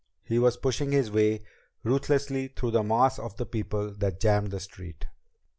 He was pushing his way ruthlessly through the mass of people that jammed the street.